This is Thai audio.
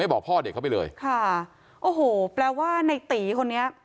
บอกพ่อเด็กเขาไปเลยค่ะโอ้โหแปลว่าในตีคนนี้